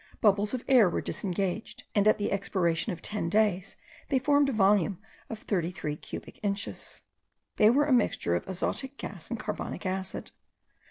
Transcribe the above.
Bubbles of air were disengaged, and at the expiration of ten days they formed a volume of thirty three cubic inches. They were a mixture of azotic gas and carbonic acid.